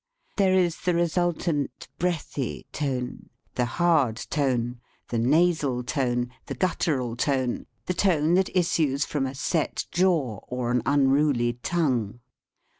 There is the resultant, breathy tone, the hard tone, the nasal tone, the guttural tone, the tone that issues from a set jaw or an unruly tongue.